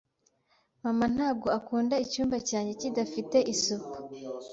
Mama ntabwo akunda icyumba cyanjye kidafite isuku.